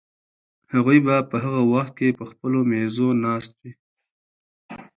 هغوی به په هغه وخت کې په خپلو مېزو ناست وي.